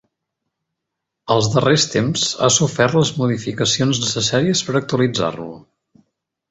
Als darrers temps ha sofert les modificacions necessàries per actualitzar-lo.